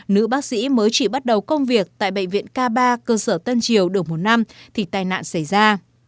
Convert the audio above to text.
nữ bác sĩ mới chỉ bắt đầu công việc tại bệnh viện k ba cơ sở tân triều được một năm thì tai nạn xảy ra